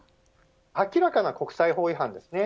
明らかな国際法違反ですね。